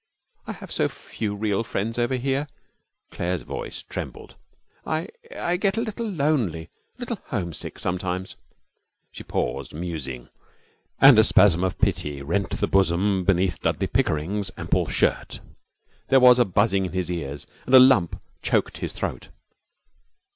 'I have so few real friends over here.' Claire's voice trembled. 'I I get a little lonely, a little homesick sometimes ' She paused, musing, and a spasm of pity rent the bosom beneath Dudley Pickering's ample shirt. There was a buzzing in his ears and a lump choked his throat.